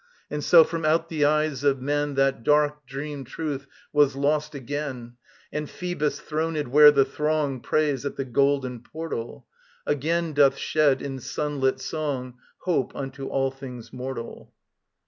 And so from out the eyes of men That dark dream truth was lost again; And Phoebus, throneed where the throng Prays at the golden portal, Again doth shed in sunlit song Hope unto all things mortal.